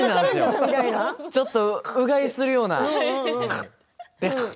ちょっとうがいするようなグァッ。